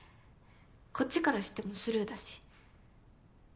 こっちからしてもスルーだし。